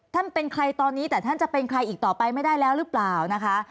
เป็นใครตอนนี้แต่ท่านจะเป็นใครอีกต่อไปไม่ได้แล้วหรือเปล่านะคะ